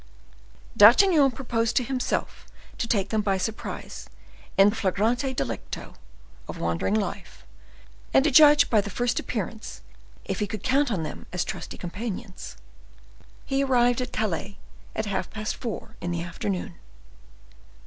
D'Artagnan proposed to himself to take them by surprise in flagrante delicto of wandering life, and to judge by the first appearance if he could count on them as trusty companions. He arrived at Calais at half past four in the afternoon.